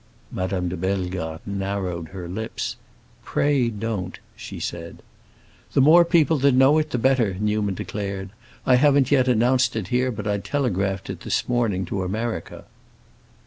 Madame de Bellegarde narrowed her lips. "Pray don't," she said. "The more people that know it, the better," Newman declared. "I haven't yet announced it here, but I telegraphed it this morning to America."